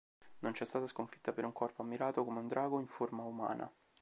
Non c'è stata sconfitta per un corpo ammirato come un drago in forma umana.